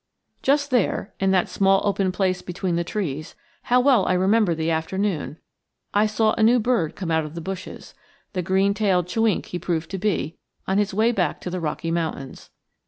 ] Just there, in that small open place between the trees, how well I remember the afternoon, I saw a new bird come out of the bushes; the green tailed chewink he proved to be, on his way back to the Rocky Mountains.